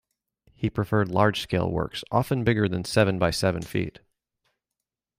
He preferred large scale works often bigger than seven by seven feet.